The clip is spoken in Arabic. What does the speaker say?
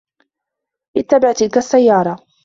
اتبع تلك السيارة!